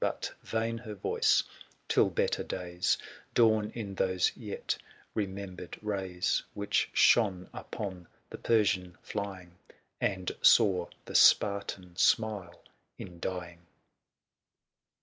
340 But vain her voice, till better days Dawn in those yet remembered rays Which shone upon the Persian flying. And saw the Spartan smile in dying.